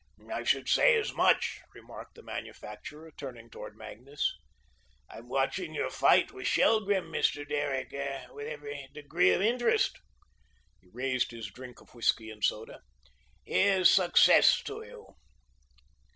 "I should say as much," remarked the manufacturer, turning towards Magnus. "I'm watching your fight with Shelgrim, Mr. Derrick, with every degree of interest." He raised his drink of whiskey and soda. "Here's success to you."